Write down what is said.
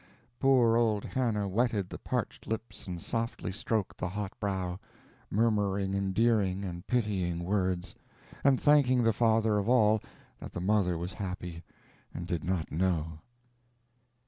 Poor old Hannah wetted the parched lips and softly stroked the hot brow, murmuring endearing and pitying words, and thanking the Father of all that the mother was happy and did not know.